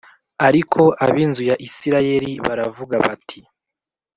Ariko ab’inzu ya Isirayeli baravuga bati